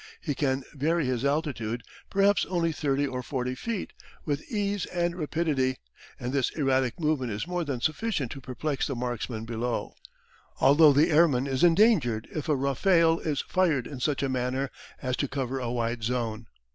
He can vary his altitude, perhaps only thirty or forty feet, with ease and rapidity, and this erratic movement is more than sufficient to perplex the marksmen below, although the airman is endangered if a rafale is fired in such a manner as to cover a wide zone.